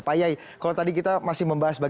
pak kiai kalau tadi kita masih membahas tentang